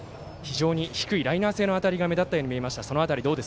低いライナー性の当たりが目立ったように見えました。